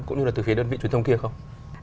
cũng như là từ phía đơn vị truyền thông kia không